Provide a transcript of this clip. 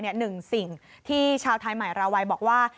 หนึ่งสิ่งที่ชาวไทยใหม่ราวัยบอกว่า